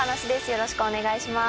よろしくお願いします。